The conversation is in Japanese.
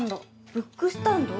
ブックスタンド？